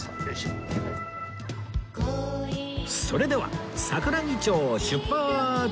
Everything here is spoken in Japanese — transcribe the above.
それでは桜木町を出発！